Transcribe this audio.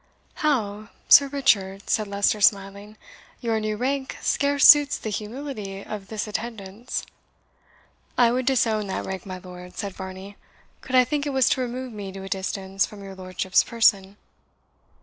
"How! Sir Richard," said Leicester, smiling, "your new rank scarce suits the humility of this attendance." "I would disown that rank, my Lord," said Varney, "could I think it was to remove me to a distance from your lordship's person."